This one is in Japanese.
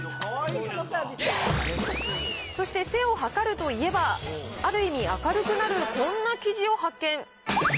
そして、背を測るといえば、ある意味、明るくなるこんな記事を発見。